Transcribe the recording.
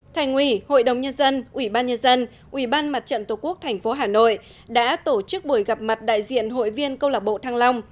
thành ủy hội đồng nhân dân ủy ban nhân dân ủy ban mặt trận tổ quốc tp hà nội đã tổ chức buổi gặp mặt đại diện hội viên câu lạc bộ thăng long